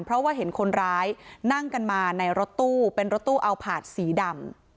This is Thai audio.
เพราะว่าเห็นคนร้ายนั่งกันมาในรถตู้เป็นรถตู้เอาผาดสีดำ